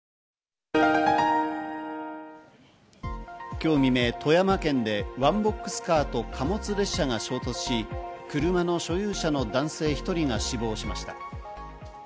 今日未明、富山県でワンボックスカーと貨物列車が衝突し、車の所有者の男性１人が死亡しました。